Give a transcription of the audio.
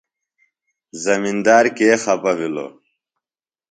زمندار کےۡ خپہ بِھلوۡ ؟